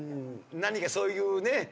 何かそういうね